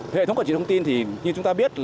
hệ thống quản trị thông tin thì như chúng ta biết